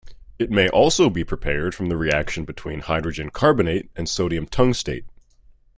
It may also be prepared from the reaction between hydrogen carbonate and sodium tungstate.